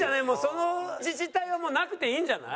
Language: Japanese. その自治体はもうなくていいんじゃない？